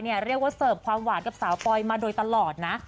เรียกว่าเสิร์ฟความหวานกับสาวปอยมาโดยตลอดนะ